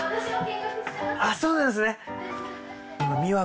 あっそうなんですね。